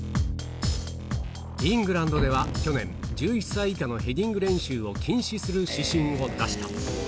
イングランドでは去年、１１歳以下のヘディング練習を禁止する指針を出した。